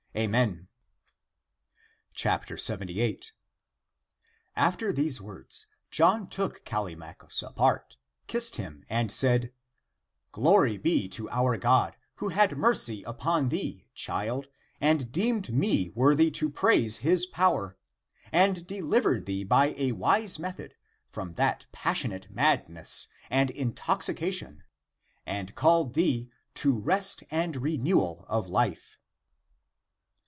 Amen !" 78. After these words, John took Callimachus apart, kissed him, and said, " Glory be to our God, who had mercy upon thee, child, and deemed me worthy to praise his power, and delivered thee by a wise method from that passionate madness and in toxication and called thee to rest and renewal of life."